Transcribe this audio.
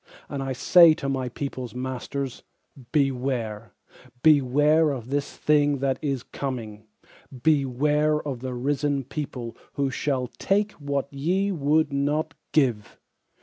And I say to my peopleŌĆÖs masters: Beware Beware of the thing that is coming, beware of the risen people Who shall take what ye would not give.